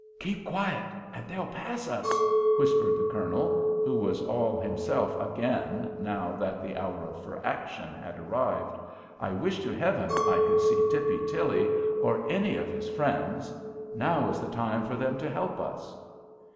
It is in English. "Keep quiet, and they'll pass us," whispered the Colonel, who was all himself again now that the hour for action had arrived. "I wish to Heaven I could see Tippy Tilly or any of his friends. Now is the time for them to help us."